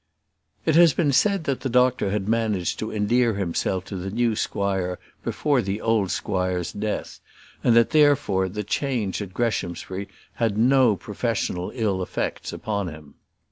It has been said that the doctor had managed to endear himself to the new squire before the old squire's death, and that, therefore, the change at Greshamsbury had had no professional ill effects upon him.